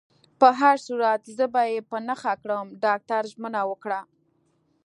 په هر صورت، زه به يې په نښه کړم. ډاکټر ژمنه وکړه.